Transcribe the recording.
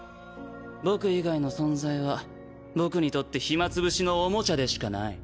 僕以外の存在は僕にとって暇潰しのおもちゃでしかない。